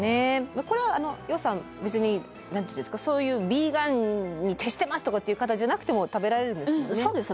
これは楊さん別に何て言うんですかそういう「ヴィーガンに徹してます」とかっていう方じゃなくても食べられるんですよね。